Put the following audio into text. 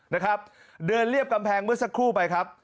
นะครับเดินเรียบกำแพงเมื่อสักครู่ไปครับ